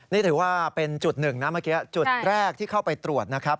นี่ถือว่าเป็นจุดหนึ่งนะเมื่อกี้จุดแรกที่เข้าไปตรวจนะครับ